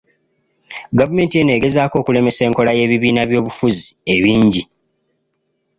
Gavumenti eno egezaako okulemesa enkola y’ebibiina by’obufuzi ebingi.